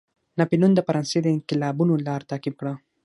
ناپلیون د فرانسې د انقلابینو لار تعقیب کړه.